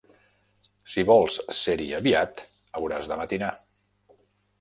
Si vols ser-hi aviat hauràs de matinar.